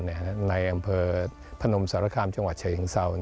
ในอำเภอพนมสารคามจังหวัดชายหญิงเศร้า